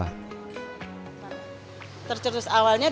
tercerus awalnya dulu saya punya janda yang berbeda dengan janda yang lainnya